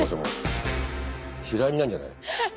嫌いになるんじゃない？